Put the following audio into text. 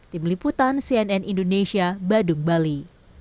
tim liputan cnn indonesia badung bali